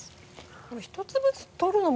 これ１粒ずつ取るのも。